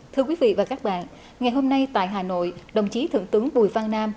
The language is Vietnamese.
thưa quý vị và các bạn ngày hôm nay tại hà nội đồng chí thượng tướng bùi văn nam